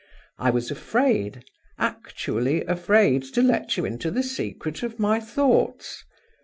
I was afraid actually afraid to let you into the secret of my thoughts.